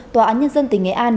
tòa án nhân dân tỉnh nghệ an